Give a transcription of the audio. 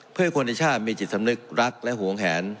เพื่อให้คนในชาติมีจิตสำนึกรักและหวงแหน